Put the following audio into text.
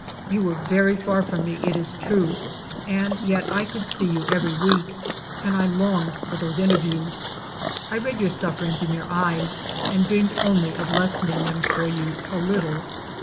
You were very far from me, it is true, and yet I could see you every week and I longed for those inter views ! I read your sufferings in your eyes and dreamed only of lessening them for you a little.